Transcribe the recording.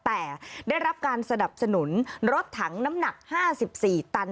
แต่ได้รับการสนับสนุนรถถังน้ำหนัก๕๔ตัน